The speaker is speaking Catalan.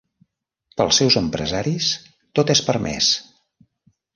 Pels seus empresaris, tot és permès.